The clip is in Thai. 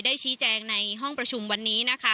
ได้ชี้แจงในห้องประชุมวันนี้